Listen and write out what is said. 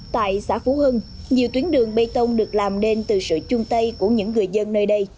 tại xã phú hưng nhiều tuyến đường bê tông được làm nên từ sự chung tay của những người dân nơi đây